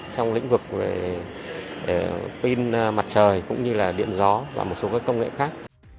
trong lĩnh vực pin mặt trời cũng như là điện gió và một số công nghệ khác